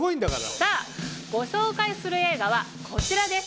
さぁご紹介する映画はこちらです。